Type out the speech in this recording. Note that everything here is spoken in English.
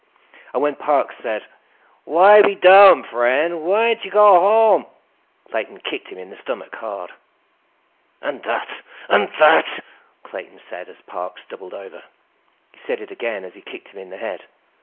And when Parks said: "Why be dumb, friend? Whyn't you go home?" Clayton kicked him in the stomach, hard. "And that, that—" Clayton said as Parks doubled over. He said it again as he kicked him in the head.